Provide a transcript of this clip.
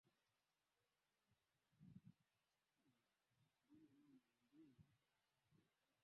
Baadae alihamishiwa katika shule nyingine iitwayo El Colegio de Belén